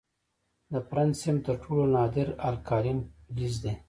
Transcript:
د فرنسیم تر ټولو نادر الکالین فلز دی.